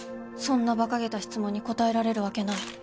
そんな馬鹿げた質問に答えられるわけない。